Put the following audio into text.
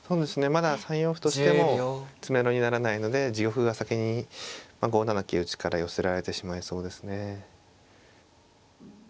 まだ３四歩としても詰めろにならないので自玉が先に５七桂打から寄せられてしまいそうですね。